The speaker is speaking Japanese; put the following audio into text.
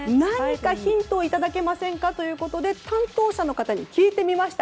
ヒントをいただけませんかということで担当者の方に聞いてみました。